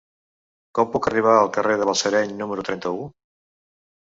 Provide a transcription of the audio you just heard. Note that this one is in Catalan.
Com puc arribar al carrer de Balsareny número trenta-u?